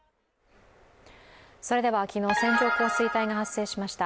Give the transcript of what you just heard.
それでは、昨日、線状降水帯が発生しました